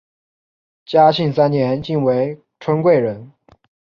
嘉庆三年晋为春贵人。